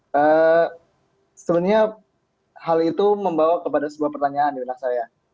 sebenarnya hal itu membawa kepada sebuah pertanyaan di benak saya